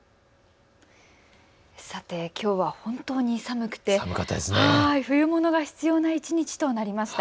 きょうは本当に寒くて冬物が必要な一日となりました。